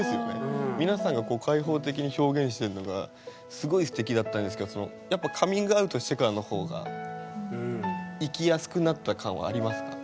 皆さんが開放的に表現してるのがすごいすてきだったんですけどやっぱカミングアウトしてからの方が生きやすくなった感はありますか？